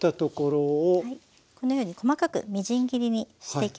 このように細かくみじん切りにしていきますね。